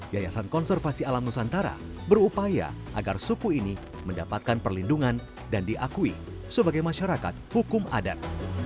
yayasan konservasi alam nusantara berupaya agar suku ini mendapatkan perlindungan dan diakui sebagai masyarakat hukum adat